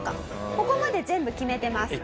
ここまで全部決めてます。